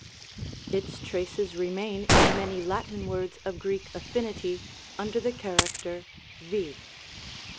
Its traces remain in many Latin words of Greek affinity under the character V.